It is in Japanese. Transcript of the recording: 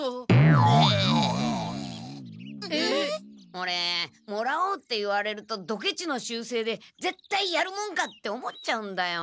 オレ「もらおう」って言われるとドケチの習せいで「ぜったいやるもんか」って思っちゃうんだよ。